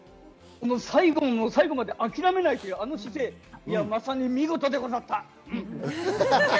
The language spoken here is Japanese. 最後まで諦めないあの姿勢、まさに見事でござった！